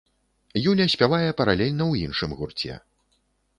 Юля спявае паралельна ў іншым гурце.